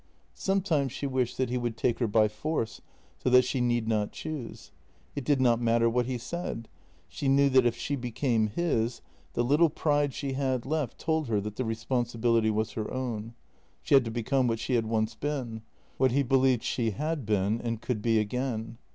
Sometimes she wished that he would take her by force, so that she need not choose. It did not matter what he said; she knew that if she became his, the little pride she had left told her that the responsibility was her own. She had to become what she had once been — what he believed she had been and could be again.